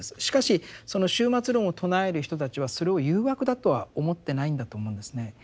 しかしその終末論を唱える人たちはそれを誘惑だとは思ってないんだと思うんですね。